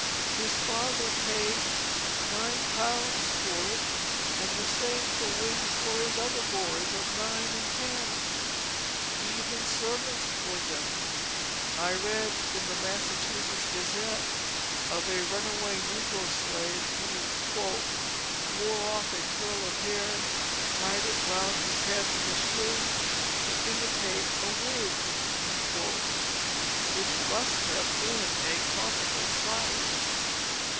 His father paid nine pounds for it, and the same for wigs for his other boys of nine and ten. Even servants wore them; I read in the Massachusetts Gazette of a runaway negro slave who "wore off a curl of hair tied around his head with a string to imitate a wig," which must have been a comical sight.